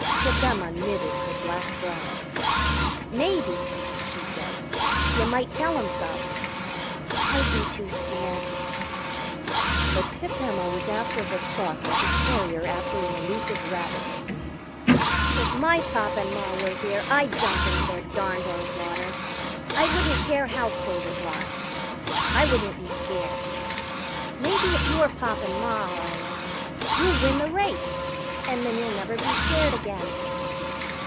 Pip Emma knitted her black brows. "Maybe," she said, "you might tell 'em so." "I'd be too scared." But Pip Emma was after her thought like a terrier after an elusive rabbit. "If my Pop and Ma were here, I'd jump into their darned old water. I wouldn't care how cold it was. I wouldn't be scared. Maybe if your Pop and Ma are along, you'll win the race, and then you'll never be scared again."